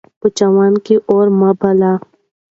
په چمن کې اور مه بلئ.